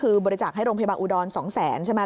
คือบริจาคให้โรงพยาบาลอุดร๒๐๐๐๐๐บาท